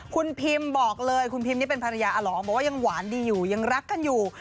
คุณพิมบอกเลยคุณพิมนี่เป็นภรรยาอลองบอกว่ายังหวานดีอยู่ยังรักกันอยู่